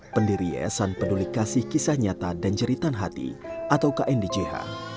pendiri yayasan peduli kasih kisah nyata dan jeritan hati atau kndjh